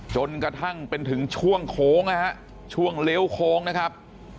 จนกระทั่งเป็นถึงช่วงโค้งนะฮะช่วงเลี้ยวโค้งนะครับ